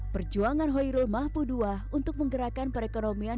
perjuangan hoi irul mahpuduwa untuk menggerakkan perekonomian